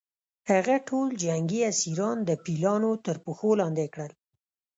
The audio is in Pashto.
هغه ټول جنګي اسیران د پیلانو تر پښو لاندې کړل.